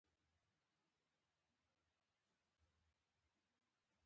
کاناډا دوه رسمي ژبې لري.